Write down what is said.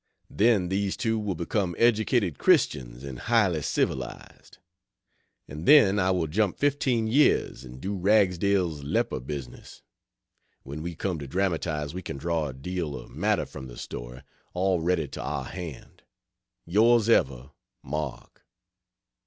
Then these two will become educated Christians, and highly civilized. And then I will jump 15 years, and do Ragsdale's leper business. When we came to dramatize, we can draw a deal of matter from the story, all ready to our hand. Yrs Ever MARK.